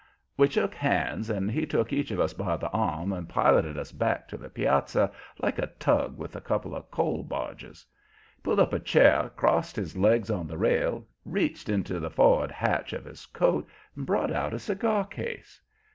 We shook hands, and he took each of us by the arm and piloted us back to the piazza, like a tug with a couple of coal barges. He pulled up a chair, crossed his legs on the rail, reached into the for'ard hatch of his coat and brought out a cigar case.